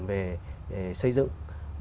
về xây dựng